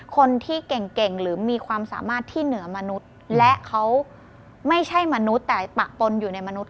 คนที่เก่งหรือมีความสามารถที่เหนือมนุษย์และเขาไม่ใช่มนุษย์แต่ปะปนอยู่ในมนุษย